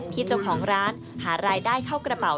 ที่เจ้าของร้านหารายได้เข้ากระเป๋า